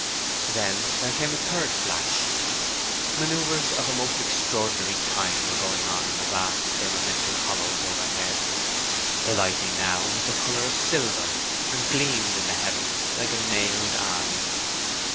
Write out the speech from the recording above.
Then there came a third flash. Manœuvres of a most extraordinary kind were going on in the vast firmamental hollows overhead. The lightning now was the colour of silver, and gleamed in the heavens like a mailed army.